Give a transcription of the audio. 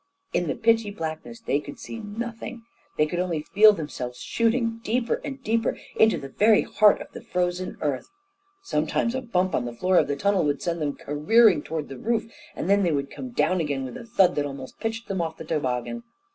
In the pitchy blackness they could see nothing. They could only feel themselves shooting deeper and deeper into the very heart of the frozen earth. Sometimes a bump on the floor of the tunnel would send them careering toward the roof, and then they would come down again with a thud that almost pitched them off the toboggan.